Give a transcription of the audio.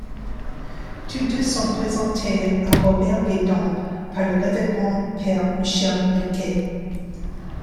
Tous deux sont présentés à Robert Guédon par le révérend père Michel Riquet.